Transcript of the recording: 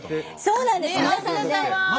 そうなんです。